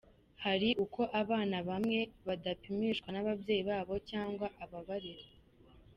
Hari uko abana bamwe badapimishwa n’ababyeyi babo cyangwa ababarera.